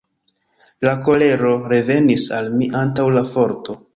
La kolero revenis al mi antaŭ la forto.